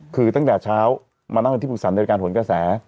คือตั้งแต่เช้ามานั่งที่ฝุกศรรยาการผลกระแส